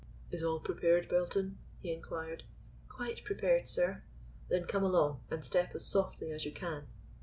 "Is all prepared, Belton?" he inquired. "Quite prepared, sir." "Then come along, and step as softly as you can."